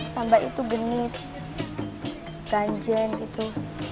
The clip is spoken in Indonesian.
samba itu genit ganjen itu